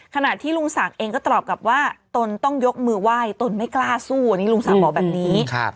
ขณะที่ลุงศักดิ์เองก็ตอบกลับว่าตนต้องยกมือไหว้ตนไม่กล้าสู้อันนี้ลุงศักดิ์บอกแบบนี้